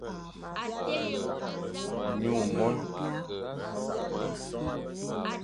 Nyu mon.